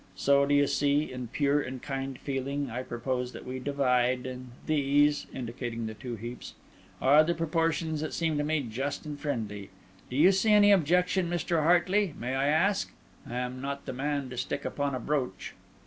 So, do you see, in pure kind feeling, I propose that we divide; and these," indicating the two heaps, "are the proportions that seem to me just and friendly. Do you see any objection, Mr. Hartley, may I ask? I am not the man to stick upon a brooch."